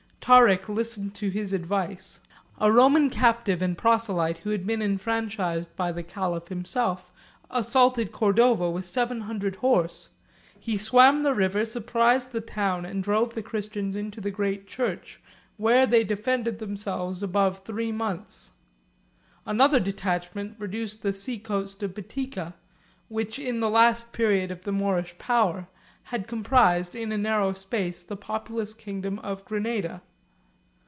Tarik listened to his advice. A Roman captive and proselyte, who had been enfranchised by the caliph himself, assaulted Cordova with seven hundred horse: he swam the river, surprised the town, and drove the Christians into the great church, where they defended themselves above three months. Another detachment reduced the seacoast of Boetica, which in the last period of the Moorish power has comprised in a narrow space the populous kingdom of Grenada.